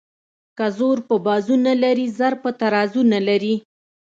که زور په بازو نه لري زر په ترازو نه لري.